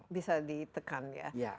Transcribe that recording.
bisa ditekan ya